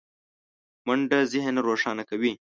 منډه ذهن روښانه کوي